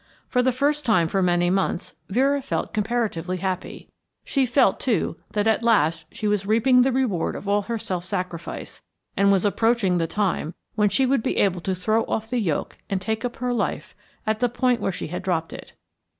For the first time for many months, Vera felt comparatively happy. She felt, too, that at last she was reaping the reward of all her self sacrifice, and was approaching the time when she would be able to throw off the yoke and take up her life at the point where she had dropped it.